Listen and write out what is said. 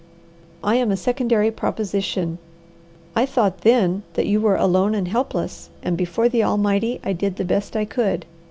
I am a secondary proposition. I thought then that you were alone and helpless, and before the Almighty, I did the best I could.